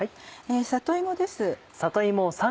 里芋です。